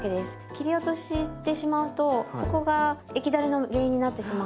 切り落としてしまうとそこが液だれの原因になってしまうので。